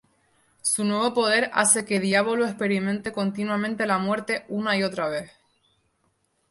Su nuevo poder hace que Diavolo experimente continuamente la muerte una y otra vez.